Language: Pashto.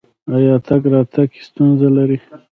ایا تګ راتګ کې ستونزه لرئ؟